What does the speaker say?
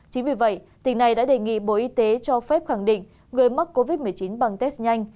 chính vì vậy tỉnh này đã đề nghị bộ y tế cho phép khẳng định người mắc covid một mươi chín bằng test nhanh